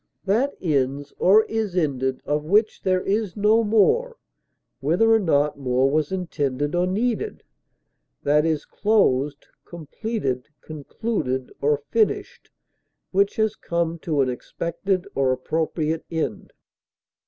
That ends, or is ended, of which there is no more, whether or not more was intended or needed; that is closed, completed, concluded, or finished which has come to an expected or appropriate end.